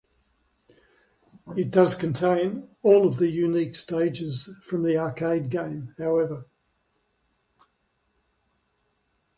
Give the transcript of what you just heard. It does contain all of the unique stages from the arcade game, however.